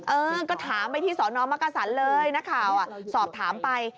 เออก็ถามไปที่สอนอมักกษันเลยนักข่าวสอบถามไป